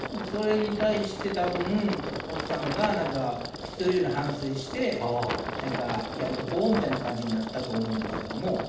それに対して、多分、奥さんが必要以上に反省してやめとこうみたいな感じになったと思うんですけど。